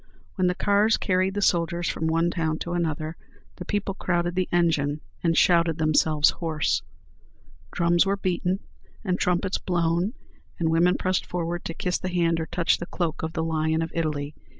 When the cars carried the soldiers from one town to another, the people crowded the engine, and shouted themselves hoarse. Drums were beaten, and trumpets blown, and women pressed forward to kiss the hand or touch the cloak of the Lion of Italy.